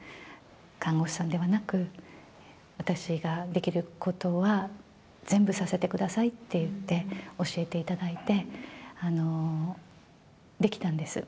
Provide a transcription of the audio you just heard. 看護師さんではなく、私ができることは、全部させてくださいって言って、教えていただいて、できたんです。